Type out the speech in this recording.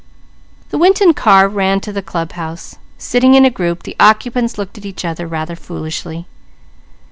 The Winton car ran to the club house; sitting in a group, the occupants looked at each other rather foolishly.